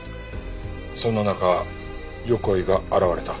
そんな中横井が現れた。